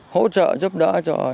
hỗ trợ giúp đỡ